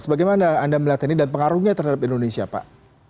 bagaimana anda melihat ini dan pengaruhnya terhadap indonesia pak